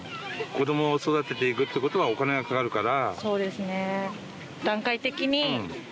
子どもを育てていくってことはお金がかかるから。